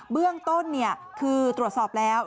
เบื้องต้นคือตรวจสอบแล้ว